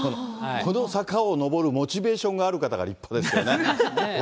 この坂を上るモチベーションがある方が立派ですよね。